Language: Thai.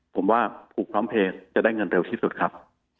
ผมว่าผูกพร้อมเพลย์จะได้เงินเร็วที่สุดครับ